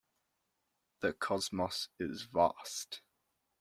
The cosmos is vast.